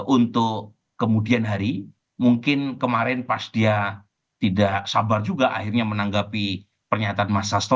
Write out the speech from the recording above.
untuk kemudian hari mungkin kemarin pas dia tidak sabar juga akhirnya menanggapi pernyataan mas sasto